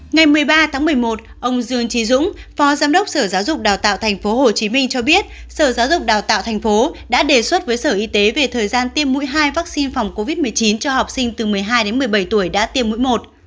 ngày một mươi ba tháng một mươi một ông dương trí dũng phó giám đốc sở giáo dục đào tạo tp hcm cho biết sở giáo dục đào tạo tp đã đề xuất với sở y tế về thời gian tiêm mũi hai vaccine phòng covid một mươi chín cho học sinh từ một mươi hai đến một mươi bảy tuổi đã tiêm mũi một